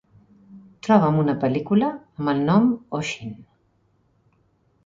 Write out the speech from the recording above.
Troba'm una pel·lícula amb el nom Oshin